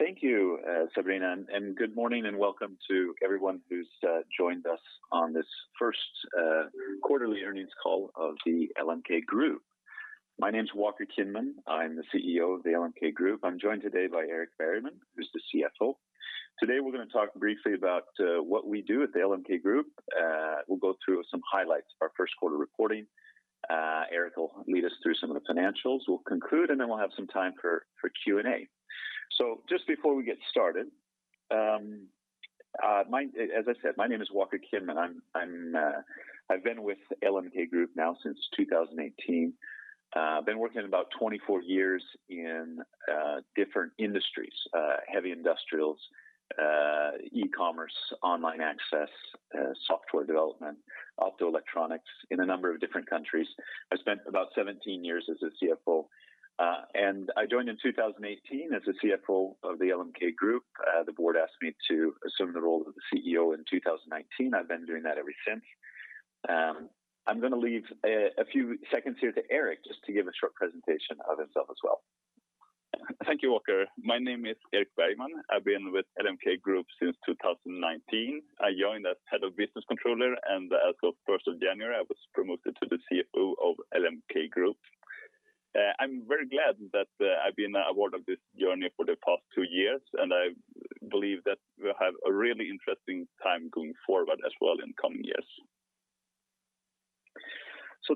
Thank you, Sabrina, and good morning and welcome to everyone who's joined us on this first quarterly earnings call of The LMK Group. My name's Walker Kinman. I'm the CEO of The LMK Group. I'm joined today by Erik Bergman, who's the CFO. Today, we're going to talk briefly about what we do at The LMK Group. We'll go through some highlights of our first quarter reporting. Erik will lead us through some of the financials. We'll conclude, and then we'll have some time for Q&A. Just before we get started, as I said, my name is Walker Kinman. I've been with The LMK Group now since 2018. I've been working for about 24 years in different industries, heavy industrials, e-commerce, online access, software development, and optoelectronics in a number of different countries. I spent about 17 years as a CFO. I joined in 2018 as the CFO of The LMK Group. The board asked me to assume the role of the CEO in 2019. I've been doing that ever since. I'm going to leave a few seconds here to Erik just to give a short presentation of himself as well. Thank you, Walker. My name is Erik Bergman. I've been with LMK Group since 2019. I joined as head of business controller, and as of January 1st, I was promoted to the CFO of The LMK Group. I'm very glad that I've been a part of this journey for the past two years, and I believe that we'll have a really interesting time going forward as well in the coming years.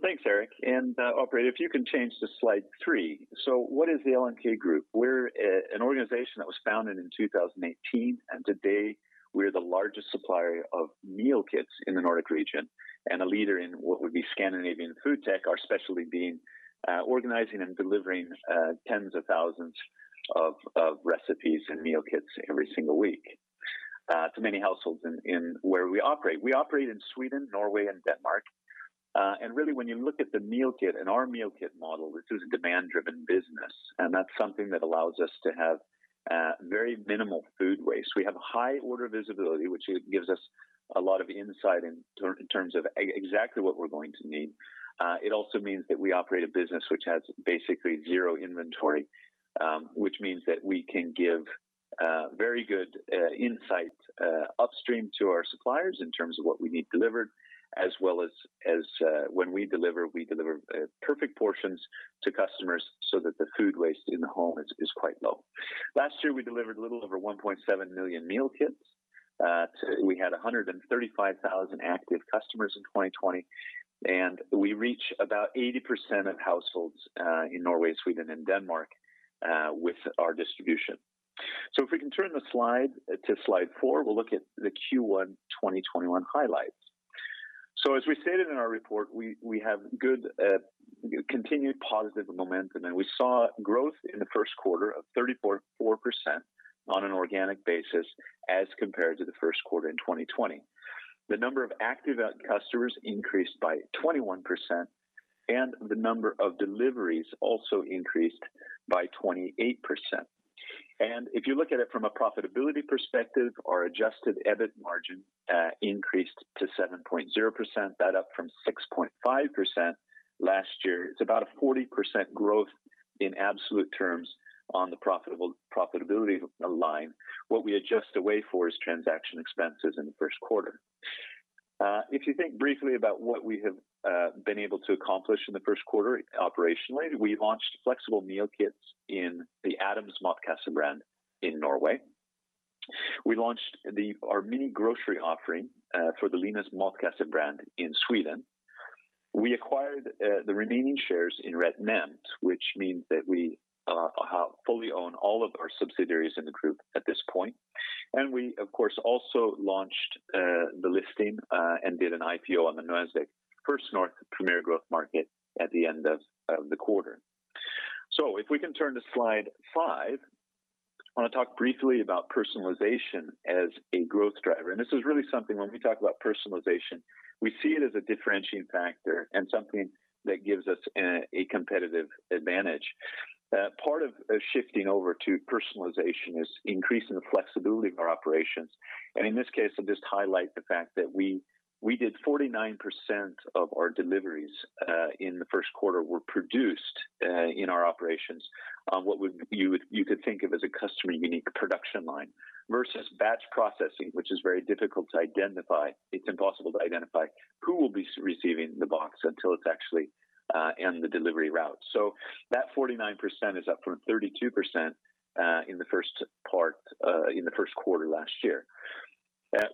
Thanks, Erik. Operator, if you can change to slide three. What is The LMK Group? We are an organization that was founded in 2018, and today we are the largest supplier of meal kits in the Nordic region and a leader in what would be Scandinavian food tech, our specialty being organizing and delivering tens of thousands of recipes and meal kits every single week to many households where we operate. We operate in Sweden, Norway, and Denmark. Really, when you look at the meal kit and our meal kit model, this is a demand-driven business, and that's something that allows us to have very minimal food waste. We have high order visibility, which gives us a lot of insight in terms of exactly what we're going to need. It also means that we operate a business which has basically zero inventory, which means that we can give very good insight upstream to our suppliers in terms of what we need delivered, as well as when we deliver, we deliver perfect portions to customers so that the food waste in the home is quite low. Last year, we delivered a little over 1.7 million meal kits. We had 135,000 active customers in 2020, and we reached about 80% of households in Norway, Sweden, and Denmark with our distribution. If we can turn the slide to slide four, we'll look at the Q1 2021 highlights. As we stated in our report, we have good continued positive momentum, and we saw growth in the first quarter of 34% on an organic basis as compared to the first quarter in 2020. The number of active customers increased by 21%. The number of deliveries also increased by 28%. If you look at it from a profitability perspective, our adjusted EBIT margin increased to 7.0%, that up from 6.5% last year. It's about a 40% growth in absolute terms on the profitability line. What we adjust away for is transaction expenses in the first quarter. If you think briefly about what we have been able to accomplish in the first quarter operationally, we launched flexible meal kits in the Adams Matkasse brand in Norway. We launched our mini grocery offering for the Linas Matkasse brand in Sweden. We acquired the remaining shares in RetNemt, which means that we fully own all of our subsidiaries in the group at this point. We, of course, also launched the listing and did an IPO on the Nasdaq First North Premier Growth Market at the end of the quarter. If we can turn to slide five, I want to talk briefly about personalization as a growth driver. This is really something when we talk about personalization, we see it as a differentiating factor and something that gives us a competitive advantage. Part of shifting over to personalization is increasing the flexibility of our operations. In this case, I'll just highlight the fact that we did 49% of our deliveries in the first quarter were produced in our operations on what you could think of as a customer-unique production line versus batch processing, which is very difficult to identify. It's impossible to identify who will be receiving the box until it's actually in the delivery route. That 49% is up from 32% in the first quarter last year.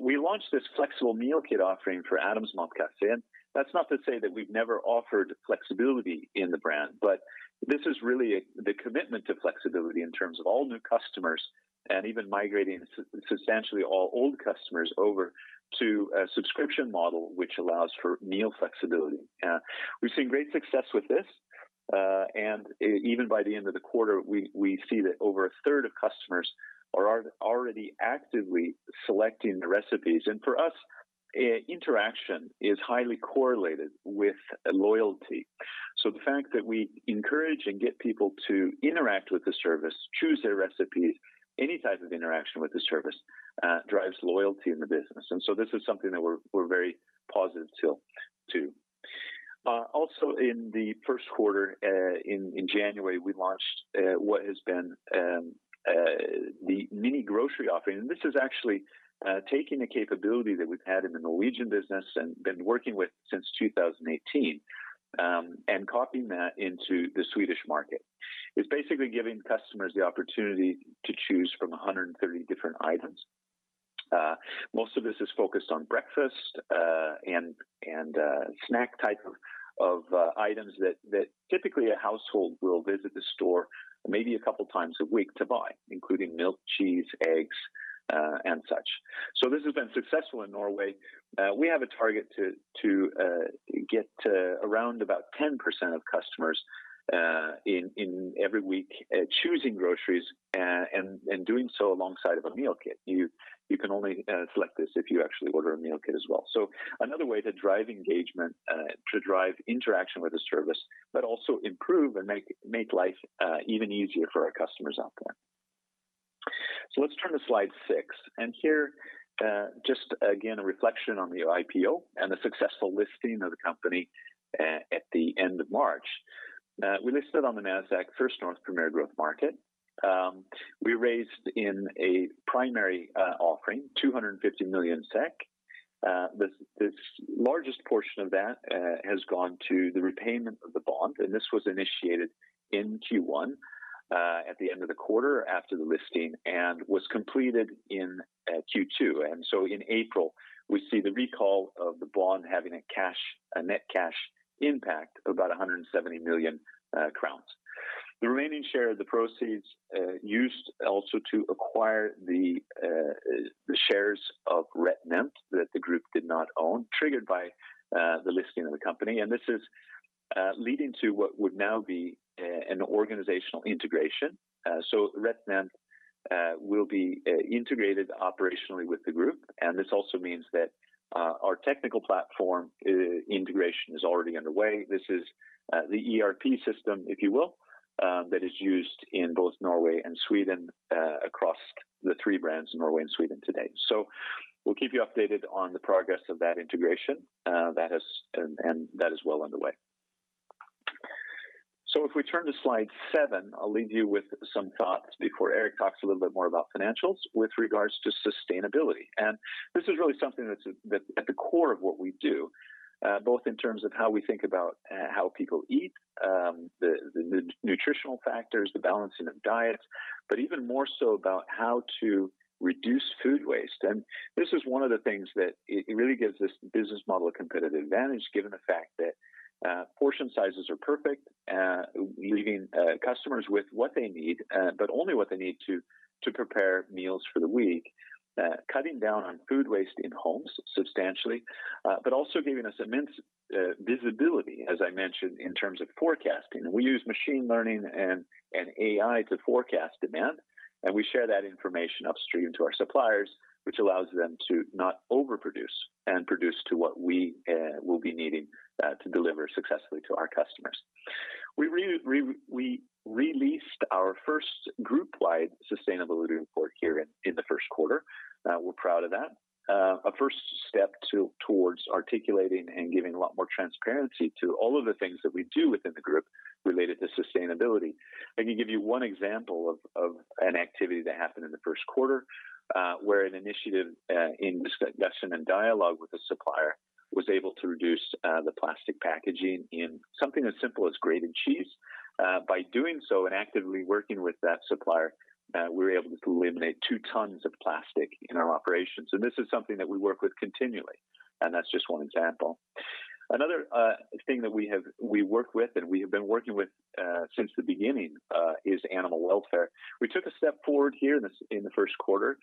We launched this flexible meal kit offering for Adams Matkasse, and that's not to say that we've never offered flexibility in the brand, but this is really the commitment to flexibility in terms of all new customers and even migrating substantially all old customers over to a subscription model, which allows for meal flexibility. We've seen great success with this, and even by the end of the quarter, we see that over a third of customers are already actively selecting the recipes. For us, interaction is highly correlated with loyalty. The fact that we encourage and get people to interact with the service, choose their recipes, any type of interaction with the service, drives loyalty in the business. This is something that we're very positive to. Also, in the first quarter, in January, we launched what has been the mini grocery offering. This is actually taking a capability that we've had in the Norwegian business and been working with since 2018, and copying that into the Swedish market. It's basically giving customers the opportunity to choose from 130 different items. Most of this is focused on breakfast and snack-type of items that typically a household will visit the store maybe a couple times a week to buy, including milk, cheese, eggs, and such. This has been successful in Norway. We have a target to get to around about 10% of customers in every week choosing groceries and doing so alongside of a meal kit. You can only select this if you actually order a meal kit as well. Another way to drive engagement, to drive interaction with the service, but also improve and make life even easier for our customers out there. Let's turn to slide six. Here, just again, a reflection on the IPO and the successful listing of the company at the end of March. We listed on the Nasdaq First North Premier Growth Market. We raised in a primary offering 250 million SEK. The largest portion of that has gone to the repayment of the bond, this was initiated in Q1, at the end of the quarter after the listing, and was completed in Q2. In April, we see the recall of the bond having a net cash impact of about 170 million crowns. The remaining share of the proceeds used also to acquire the shares of RetNemt that the group did not own, triggered by the listing of the company. This is leading to what would now be an organizational integration. RetNemt will be integrated operationally with the group, and this also means that our technical platform integration is already underway. This is the ERP system, if you will, that is used in both Norway and Sweden, across the three brands in Norway and Sweden today. We'll keep you updated on the progress of that integration. That is well underway. If we turn to slide seven, I'll leave you with some thoughts before Erik talks a little bit more about financials with regards to sustainability. This is really something that's at the core of what we do, both in terms of how we think about how people eat, the nutritional factors, the balancing of diets, but even more so about how to reduce food waste. This is one of the things that it really gives this business model a competitive advantage, given the fact that portion sizes are perfect, leaving customers with what they need, but only what they need to prepare meals for the week, cutting down on food waste in homes substantially. Also, giving us immense visibility, as I mentioned, in terms of forecasting. We use machine learning and AI to forecast demand, and we share that information upstream to our suppliers, which allows them to not overproduce and produce to what we will be needing to deliver successfully to our customers. We released our first group-wide sustainability report here in the first quarter. We're proud of that. A first step towards articulating and giving a lot more transparency to all of the things that we do within the group related to sustainability. Let me give you one example of an activity that happened in the first quarter, where an initiative in discussion and dialogue with a supplier was able to reduce the plastic packaging in something as simple as grated cheese. By doing so and actively working with that supplier, we were able to eliminate two tons of plastic in our operations, and this is something that we work with continually, and that's just one example. Another thing that we work with and we have been working with since the beginning, is animal welfare. We took a step forward here in the first quarter.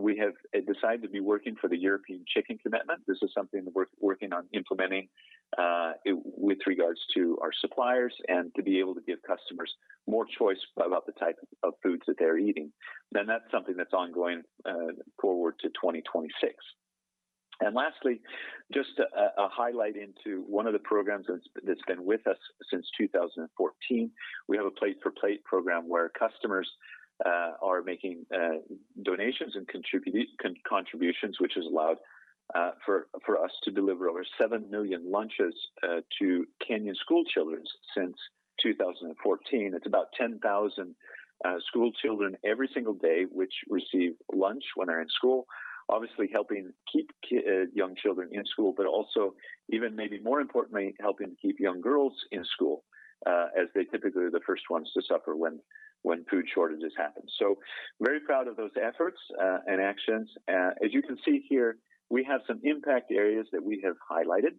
We have decided to be working for the European Chicken Commitment. This is something worth working on implementing, with regards to our suppliers and to be able to give customers more choice about the type of foods that they're eating. That's something that's ongoing forward to 2026. Lastly, just a highlight into one of the programs that's been with us since 2014. We have a Plate for Plate program where customers are making donations and contributions, which has allowed for us to deliver over 7 million lunches to Kenyan schoolchildren since 2014. It's about 10,000 schoolchildren every single day which receive lunch when they're in school. Obviously helping keep young children in school, but also, even maybe more importantly, helping keep young girls in school, as they're typically the first ones to suffer when food shortages happen. Very proud of those efforts and actions. As you can see here, we have some impact areas that we have highlighted,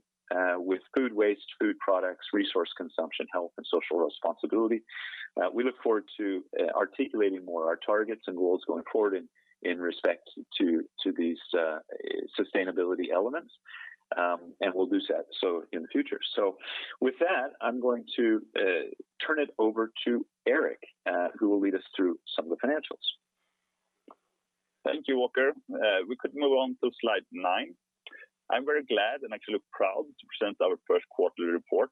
with food waste, food products, resource consumption, health, and social responsibility. We look forward to articulating more our targets and goals going forward in respect to these sustainability elements. We'll do that in the future. With that, I'm going to turn it over to Erik, who will lead us through some of the financials. Thank you, Walker. We could move on to slide nine. I'm very glad and actually proud to present our first quarterly report.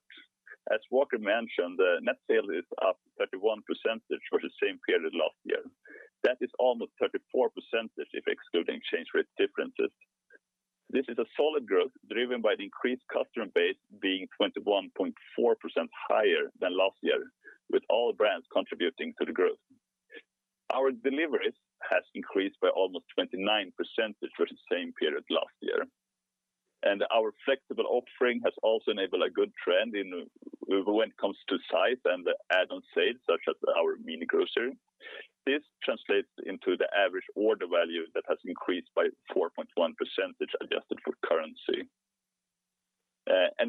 As Walker mentioned, the net sale is up 31% for the same period last year. That is almost 34%, excluding exchange rate differences. This is a solid growth driven by the increased customer base being 21.4% higher than last year, with all brands contributing to the growth. Our deliveries has increased by almost 29% for the same period last year. Our flexible offering has also enabled a good trend when it comes to size and the add-on sales such as our mini grocery. This translates into the average order value that has increased by 4.1% adjusted for currency.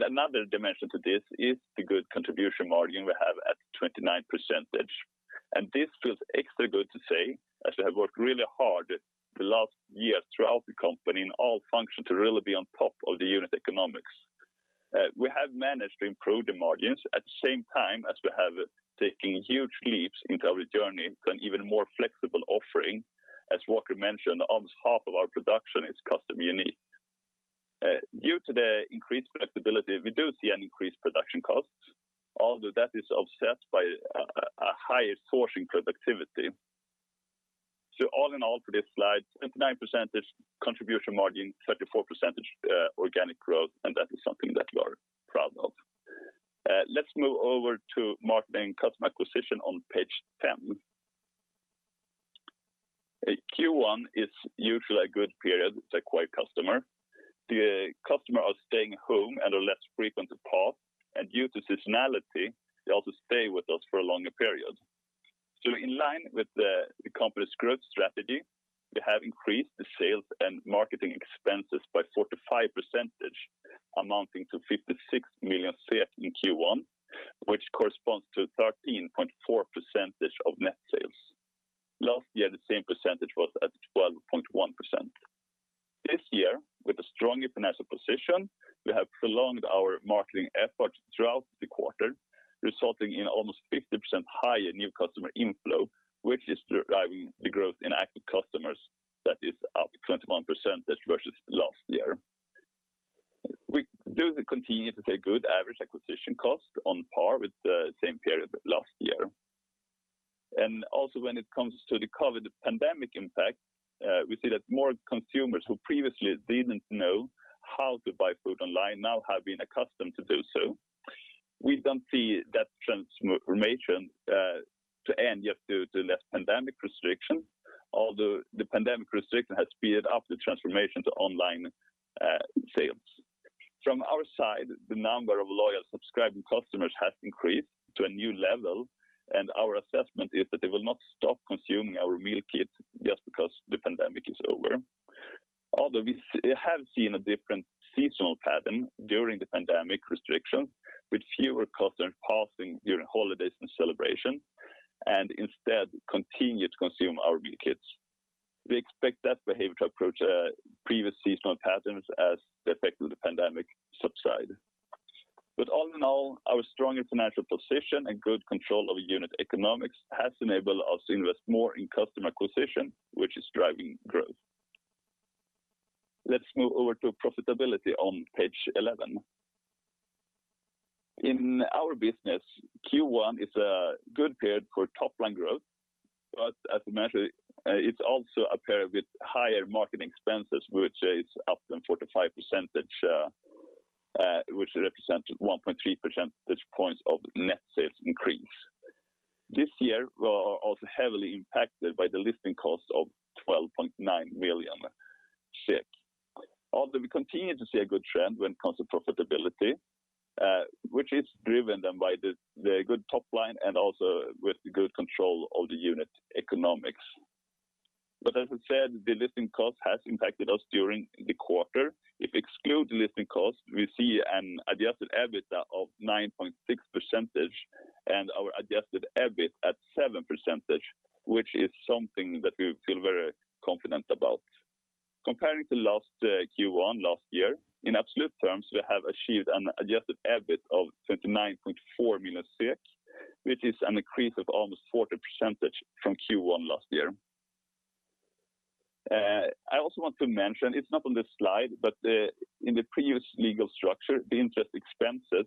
Another dimension to this is the good contribution margin we have at 29%. This feels extra good to say, as we have worked really hard the last year throughout the company in all functions to really be on top of the unit economics. We have managed to improve the margins at the same time as we have taken huge leaps in our journey to an even more flexible offering. As Walker mentioned, almost half of our production is customer unique. Due to the increased flexibility, we do see an increased production cost, although that is offset by a higher sourcing productivity. All in all for this slide, 29% contribution margin, 34% organic growth, and that is something that we are proud of. Let's move over to marketing customer acquisition on page 10. Q1 is usually a good period. It's a quiet customer. The customer are staying home and are less frequent to pause, and due to seasonality, they also stay with us for a longer period. In line with the company's growth strategy, we have increased the sales and marketing expenses by 45%, amounting to 56 million in Q1, which corresponds to 13.4% of net sales. Last year, the same percentage was at 12.1%. This year, with a strong financial position, we have prolonged our marketing efforts throughout the quarter, resulting in almost 50% higher new customer inflow, which is driving the growth in active customers that is up 21% versus last year. We do continue to see a good average acquisition cost on par with the same period last year. When it comes to the COVID pandemic impact, we see that more consumers who previously didn't know how to buy food online now have been accustomed to do so. We don't see that customer transformation to end just due to less pandemic restrictions, although the pandemic restriction has sped up the transformation to online sales. From our side, the number of loyal subscribing customers has increased to a new level, and our assessment is that they will not stop consuming our meal kits just because the pandemic is over. We have seen a different seasonal pattern during the pandemic restrictions with fewer customers pausing during holidays and celebrations and instead continue to consume our meal kits. We expect that behavior to approach previous seasonal patterns as the effect of the pandemic subsides. All in all, our strong financial position and good control over unit economics has enabled us to invest more in customer acquisition, which is driving growth. Let's move over to profitability on page 11. In our business, Q1 is a good period for top-line growth, but as I mentioned, it's also a period with higher marketing expenses, which is up to 45%, which represents 1.3 percentage points of net sales increase. This year, we're also heavily impacted by the listing cost of 12.9 million, although we continue to see a good trend when it comes to profitability, which is driven by the good top line and also with the good control of the unit economics. As I said, the listing cost has impacted us during the quarter. If exclude listing cost, we see an adjusted EBITDA of 9.6% and our adjusted EBIT at 7%, which is something that we feel very confident about. Comparing to last Q1 last year, in absolute terms, we have achieved an adjusted EBIT of 29.4 million, which is an increase of almost 40% from Q1 last year. I also want to mention, it's not on the slide, but in the previous legal structure, the interest expenses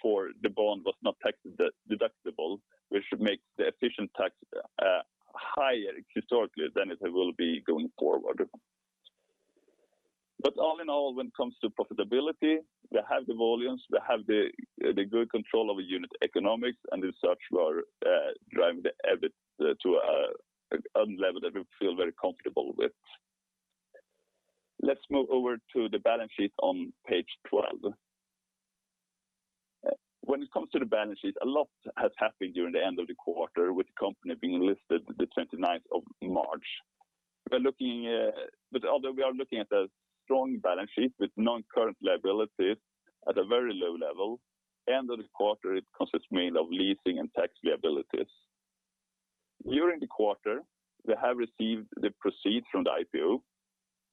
for the bond was not tax deductible, which makes the efficient tax higher historically than it will be going forward. All in all, when it comes to profitability, we have the volumes, we have the good control of our unit economics, and as such we are driving the EBIT to a level that we feel very comfortable with. Let's move over to the balance sheet on page 12. When it comes to the balance sheet, a lot has happened during the end of the quarter with the company being listed on March 29th. Although we are looking at a strong balance sheet with non-current liabilities at a very low level, end of the quarter, it consists mainly of leasing and tax liabilities. During the quarter, we have received the proceeds from the IPO,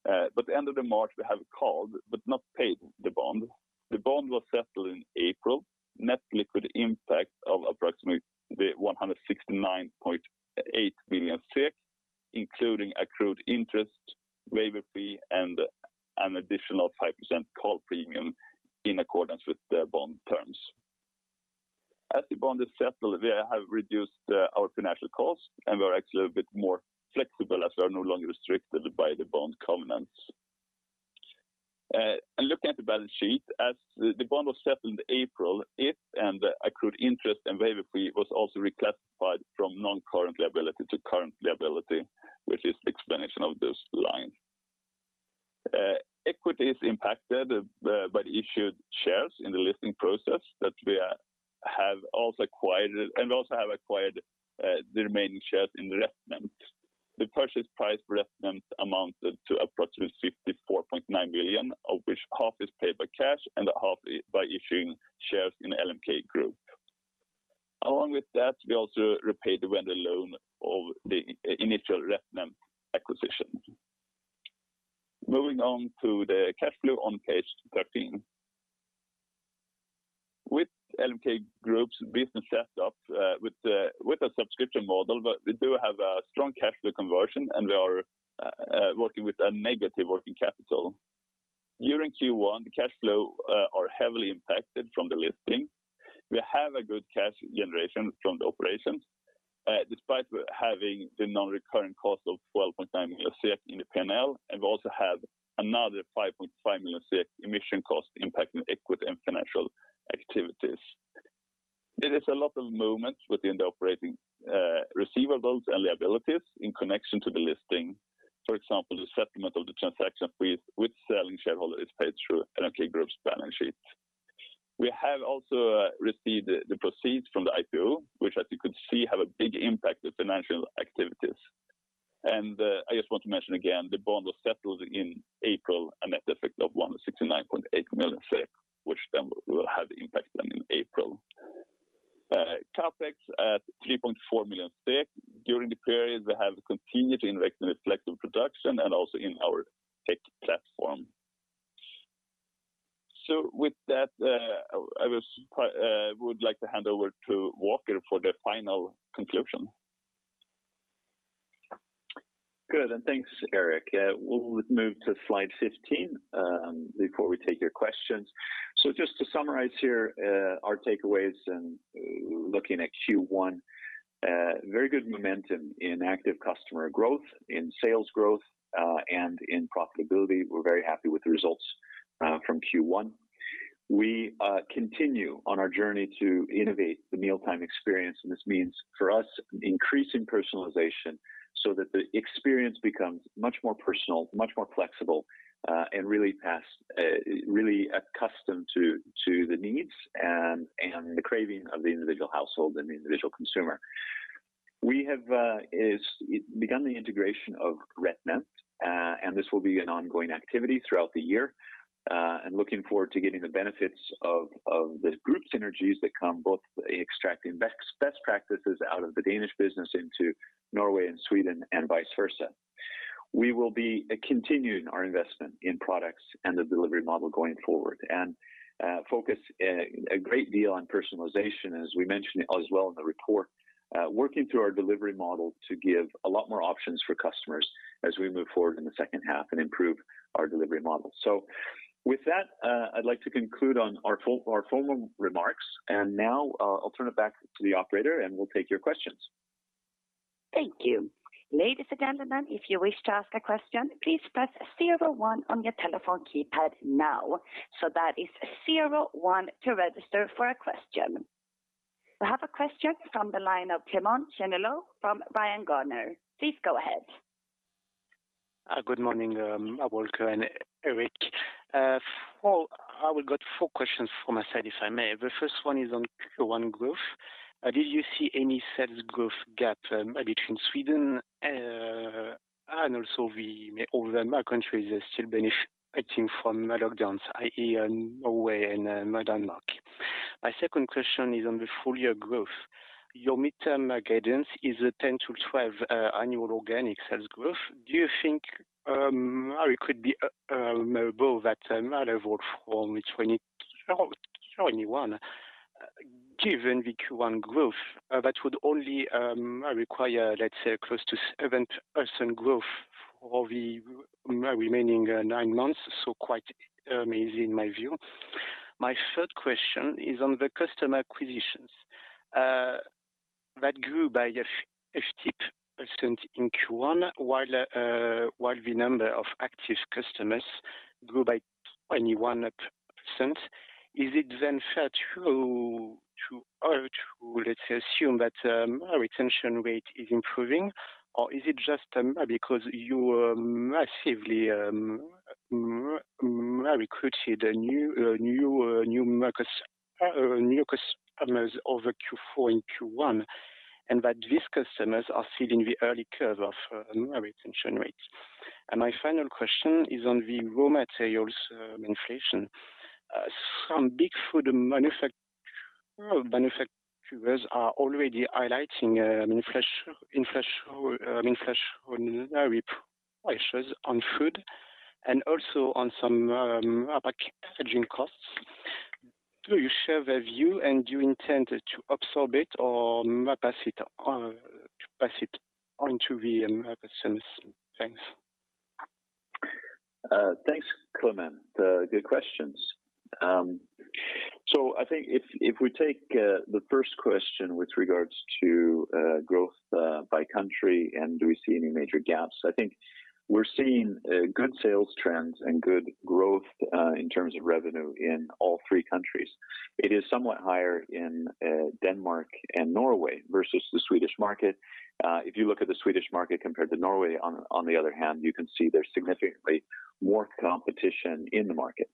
but at the end of March, we have called but not paid the bond. The bond was settled in April. Net liquid impact of approximately 169.8 million, including accrued interest, waiver fee, and an additional 5% call premium in accordance with the bond terms. As the bond is settled, we have reduced our financial costs, and we're actually a bit more flexible as we are no longer restricted by the bond covenants. Looking at the balance sheet as the bond was settled in April, if and the accrued interest and waiver fee was also reclassified from non-current liability to current liability, which is the explanation of this line. Equity is impacted by issued shares in the listing process that we have also acquired and also have acquired the remaining shares in RetNemt. The purchase price for RetNemt amounted to approximately 54.9 million, of which half is paid by cash and half by issuing shares in The LMK Group. Along with that, we also repaid the vendor loan of the initial RetNemt acquisition. Moving on to the cash flow on page 13. With The LMK Group's business set up with a subscription model, but we do have a strong cash flow conversion, and we are working with a negative working capital. During Q1, cash flow are heavily impacted from the listing. We have a good cash generation from the operations. Despite having the non-recurring cost of 12.9 million in the P&L, and we also have another 5.5 million emission cost impacting equity and financial activities. There is a lot of movements within the operating receivables and liabilities in connection to the listing. For example, the settlement of the transaction fees with selling shareholders paid through The LMK Group's balance sheet. We have also received the proceeds from the IPO, which as you could see, have a big impact on financial activities. I just want to mention again, the bond was settled in April, a net effect of 169.8 million, which then will have the impact then in April. CapEx at 3.4 million. During the period, we have continued to invest in the flexible production and also in our tech platform. With that, I would like to hand over to Walker for the final conclusion. Good. Thanks, Erik. We'll move to slide 15 before we take your questions. Just to summarize here our takeaways looking at Q1, very good momentum in active customer growth, in sales growth, and in profitability. We're very happy with the results from Q1. We continue on our journey to innovate the mealtime experience, and this means, for us, increasing personalization so that the experience becomes much more personal, much more flexible, and really accustomed to the needs and the cravings of the individual household and the individual consumer. We have begun the integration of RetNemt, and this will be an ongoing activity throughout the year. Looking forward to getting the benefits of the group synergies that come both extracting best practices out of the Danish business into Norway and Sweden, and vice versa. We will be continuing our investment in products and the delivery model going forward and focus a great deal on personalization, as we mentioned as well in the report, working through our delivery model to give a lot more options for customers as we move forward in the second half and improve our delivery model. With that, I'd like to conclude on our formal remarks, and now I'll turn it back to the operator, and we'll take your questions. Thank you. Ladies and gentlemen, if you wish to ask a question, please press zero one on your telephone keypad now. That is zero one to register for a question. I have a question from the line of Clément Genelot from Bryan, Garnier. Please go ahead. Good morning, Walker and Erik. I've got four questions from my side, if I may. The first one is on Q1 growth. Did you see any sales growth gap between Sweden and also the other countries that are still benefiting from lockdowns in Norway and Denmark? My second question is on the full-year growth. Your midterm guidance is a 10%-12% annual organic sales growth. Do you think it could be more above that level from 2021, given the Q1 growth? That would only require, let's say, close to 7% growth for the remaining nine months. Quite amazing in my view. My third question is on the customer acquisitions that grew by 50% in Q1 while the number of active customers grew by 21%. Is it fair to, let's assume that retention rate is improving or is it just because you massively recruited new customers over Q4 and Q1, and that these customers are seeing the early curve of retention rates? My final question is on the raw materials inflation. Some big food manufacturers are already highlighting inflationary pressures on food and also on some packaging costs. Do you share their view, and do you intend to absorb it or to pass it on to the consumers? Thanks. Thanks, Clément. Good questions. I think if we take the first question with regards to growth by country and do we see any major gaps, I think we're seeing good sales trends and good growth in terms of revenue in all three countries. It is somewhat higher in Denmark and Norway versus the Swedish market. If you look at the Swedish market compared to Norway, on the other hand, you can see there's significantly more competition in the market.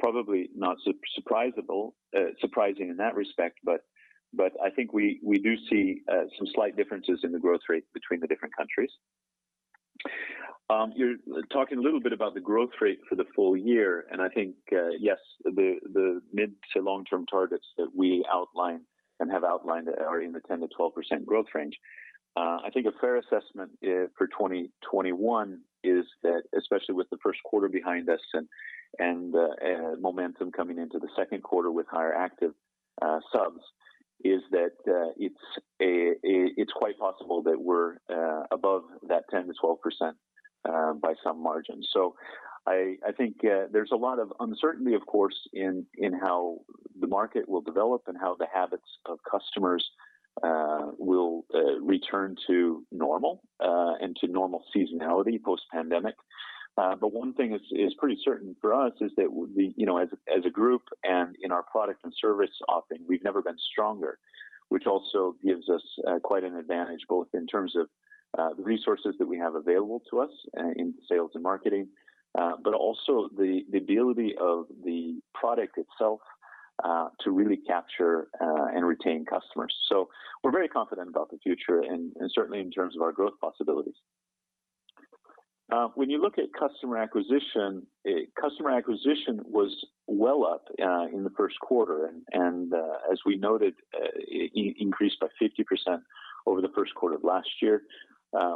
Probably not surprising in that respect, but I think we do see some slight differences in the growth rate between the different countries. You're talking a little bit about the growth rate for the full year, and I think, yes, the mid to long-term targets that we outline and have outlined are in the 10%-12% growth range. I think a fair assessment for 2021 is that, especially with the first quarter behind us and momentum coming into the second quarter with higher active subs, is that it's quite possible that we're above that 10%-12% by some margin. I think there's a lot of uncertainty, of course, in how the market will develop and how the habits of customers will return to normal and to normal seasonality post-pandemic. One thing is pretty certain for us is that as a group and in our product and service offering, we've never been stronger, which also gives us quite an advantage, both in terms of the resources that we have available to us in sales and marketing, but also the ability of the product itself to really capture and retain customers. We're very confident about the future and certainly in terms of our growth possibilities. When you look at customer acquisition, customer acquisition was well up in the first quarter, and as we noted, it increased by 50% over the first quarter of last year.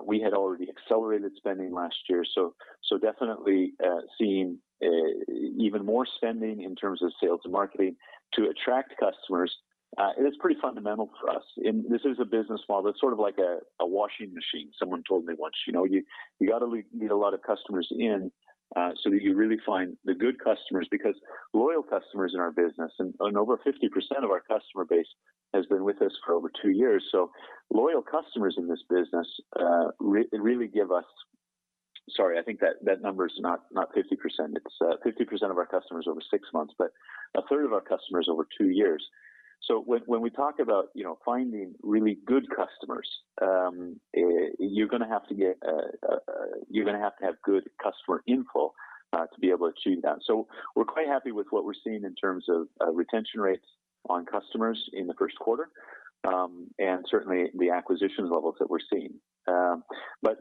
We had already accelerated spending last year, so definitely seeing even more spending in terms of sales and marketing to attract customers. It is pretty fundamental for us, and this is a business model. It's sort of like a washing machine. Someone told me once, you got to get a lot of customers in so that you really find the good customers, because loyal customers in our business, and over 50% of our customer base has been with us for over two years. Loyal customers in this business really give us. Sorry, I think that number is not 50%. It's 50% of our customers over six months, but a third of our customers over two years. When we talk about finding really good customers, you're going to have to have good customer inflow to be able to achieve that. We're quite happy with what we're seeing in terms of retention rates on customers in the first quarter, and certainly the acquisition levels that we're seeing.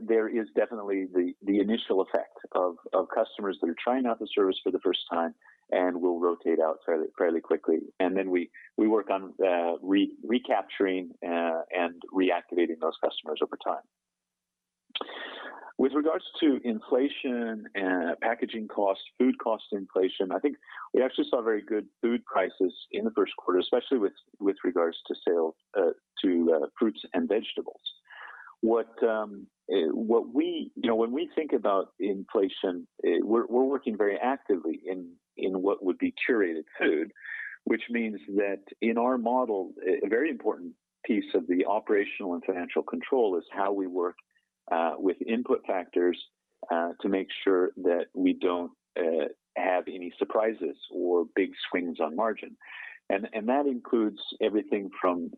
There is definitely the initial effect of customers that are trying out the service for the first time and will rotate out fairly quickly. We work on recapturing and reactivating those customers over time. With regards to inflation, packaging cost, food cost inflation, I think we actually saw very good food prices in the first quarter, especially with regards to salads, fruits and vegetables. When we think about inflation, we're working very actively in what would be curated food, which means that in our model, a very important piece of the operational and financial control is how we work with input factors to make sure that we don't have any surprises or big swings on margin. That includes everything from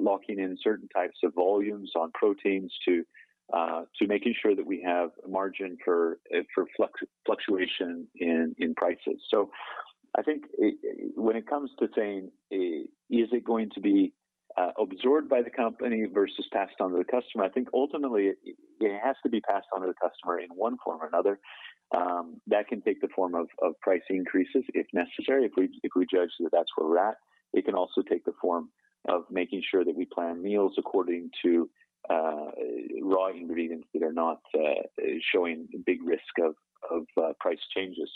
locking in certain types of volumes on proteins to making sure that we have a margin for fluctuation in prices. I think when it comes to saying, is it going to be absorbed by the company versus passed on to the customer, I think ultimately it has to be passed on to the customer in one form or another. That can take the form of price increases if necessary, if we judge that that's where we're at. It can also take the form of making sure that we plan meals according to raw ingredients that are not showing big risk of price changes.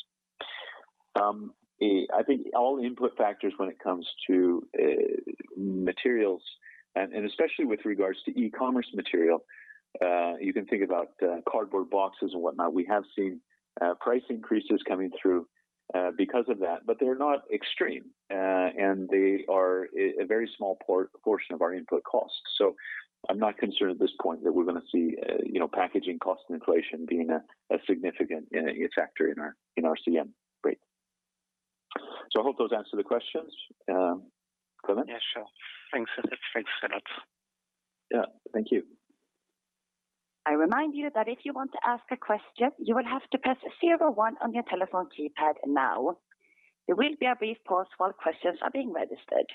I think all input factors when it comes to materials, and especially with regards to e-commerce material, you can think about cardboard boxes and whatnot. We have seen price increases coming through because of that, but they're not extreme, and they are a very small portion of our input cost. I'm not concerned at this point that we're going to see packaging cost inflation being a significant factor in our CM rate. I hope those answer the questions, Clément. Yeah, sure. Thanks, it helps a lot. Yeah. Thank you. I remind you that if you want to ask a question, you will have to press zero one on your telephone keypad now. There will be a brief pause while questions are being registered.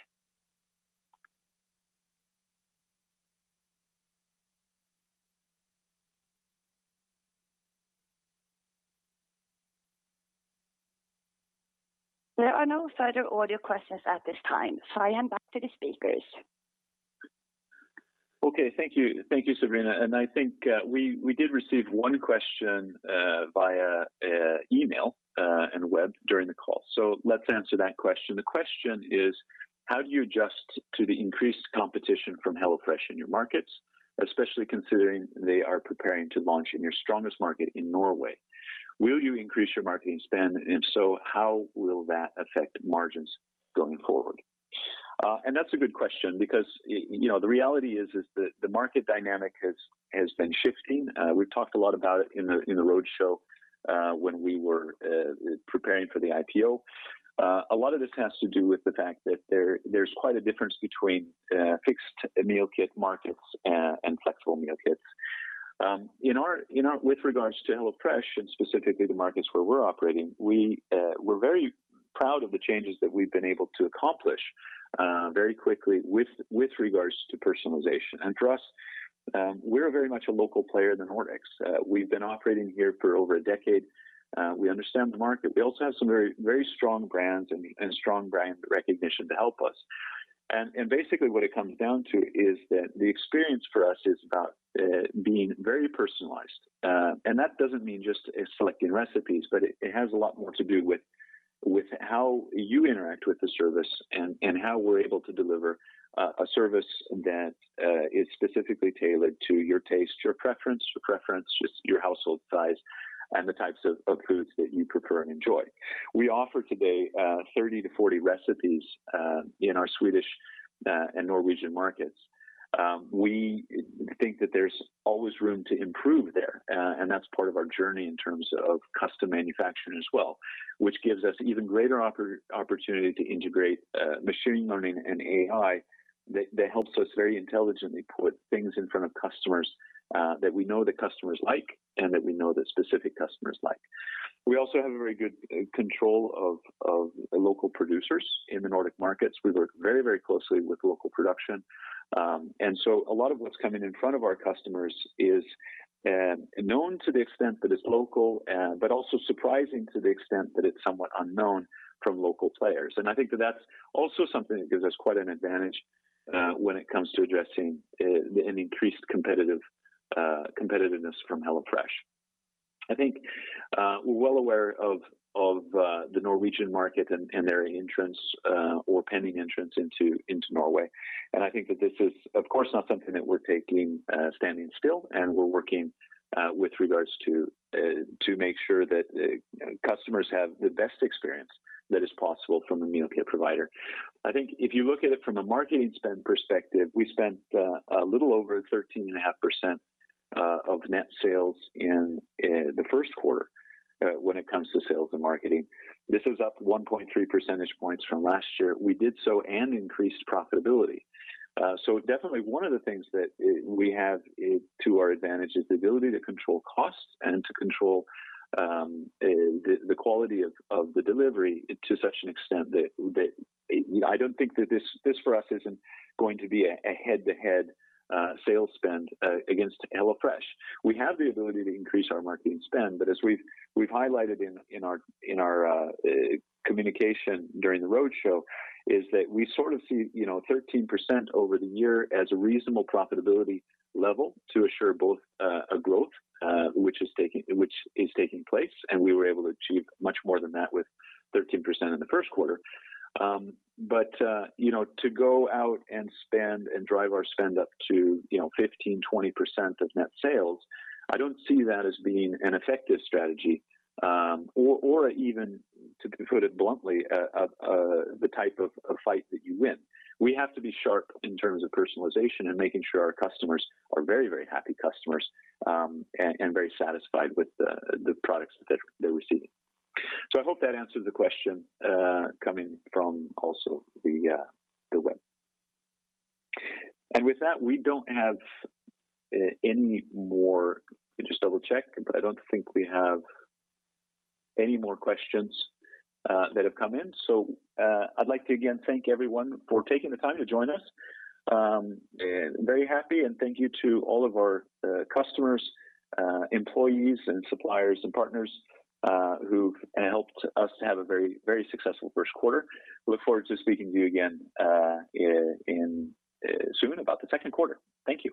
There are no further audio questions at this time. I hand back to the speakers. Okay. Thank you, Sabrina. I think we did receive one question via email and web during the call. Let's answer that question. The question is: How do you adjust to the increased competition from HelloFresh in your markets, especially considering they are preparing to launch in your strongest market in Norway? Will you increase your marketing spend? If so, how will that affect margins going forward? That's a good question because the reality is that the market dynamic has been shifting. We talked a lot about it in the roadshow when we were preparing for the IPO. A lot of this has to do with the fact that there's quite a difference between fixed meal kit markets and flexible meal kits. With regards to HelloFresh and specifically the markets where we're operating, we're very proud of the changes that we've been able to accomplish very quickly with regards to personalization. For us, we're very much a local player in the Nordics. We've been operating here for over a decade. We understand the market. We also have some very strong brands and strong brand recognition to help us. Basically what it comes down to is that the experience for us is about being very personalized. That doesn't mean just selecting recipes, but it has a lot more to do with how you interact with the service and how we're able to deliver a service that is specifically tailored to your taste, your preference, your household size, and the types of foods that you prefer and enjoy. We offer today 30-40 recipes in our Swedish and Norwegian markets. We think that there's always room to improve there, and that's part of our journey in terms of custom manufacturing as well, which gives us even greater opportunity to integrate machine learning and AI that helps us very intelligently put things in front of customers that we know the customers like and that we know that specific customers like. We also have very good control of local producers in the Nordic markets. We work very closely with local production. A lot of what's coming in front of our customers is known to the extent that it's local, but also surprising to the extent that it's somewhat unknown from local players. I think that that's also something that gives us quite an advantage when it comes to addressing an increased competitiveness from HelloFresh. I think we're well aware of the Norwegian market and their entrance, or pending entrance into Norway. I think that this is, of course, not something that we're taking standing still, and we're working with regards to make sure that customers have the best experience that is possible from a meal kit provider. I think if you look at it from a marketing spend perspective, we spent a little over 13.5% of net sales in the first quarter when it comes to sales and marketing. This was up 1.3 percentage points from last year. We did so and increased profitability. Definitely one of the things that we have to our advantage is the ability to control costs and to control the quality of the delivery to such an extent that I don't think that this for us is going to be head-to-head sales spend against HelloFresh. We have the ability to increase our marketing spend, but as we've highlighted in our communication during the roadshow, is that we sort of see 13% over the year as a reasonable profitability level to assure both growth, which is taking place, and we were able to achieve much more than that with 13% in the first quarter. To go out and drive our spend up to 15%-20% of net sales, I don't see that as being an effective strategy or even, to put it bluntly, the type of fight that you win. We have to be sharp in terms of personalization and making sure our customers are very happy customers and very satisfied with the products that they're receiving. I hope that answered the question coming from also the web. With that, we don't have any more. Let me just double-check, but I don't think we have any more questions that have come in. I'd like to, again, thank everyone for taking the time to join us. Very happy, and thank you to all of our customers, employees, and suppliers and partners who've helped us to have a very successful first quarter. Look forward to speaking to you again soon about the second quarter. Thank you.